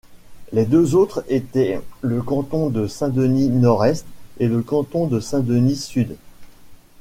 Les deux autres étaient le canton de Saint-Denis-Nord-Est et le canton de Saint-Denis-Sud.